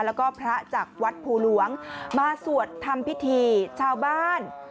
แล้วก็พระจากวัดภูหลวงมาสวดทำพิธีชาวบ้าน